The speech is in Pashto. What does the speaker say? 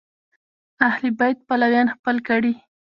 اهل بیت پلویان خپل کړي